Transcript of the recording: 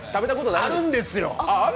あるんですよ。